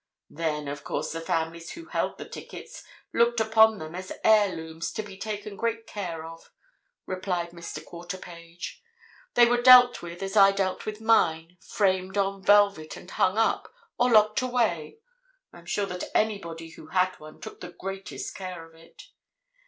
"Then, of course, the families who held the tickets looked upon them as heirlooms, to be taken great care of," replied Mr. Quarterpage. "They were dealt with as I dealt with mine—framed on velvet, and hung up—or locked away: I am sure that anybody who had one took the greatest care of it.